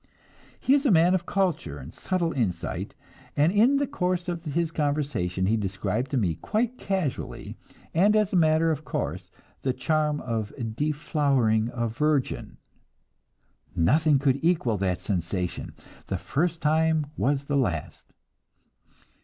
He is a man of culture and subtle insight, and in the course of his conversation he described to me, quite casually and as a matter of course, the charm of deflowering a virgin. Nothing could equal that sensation; the first time was the last.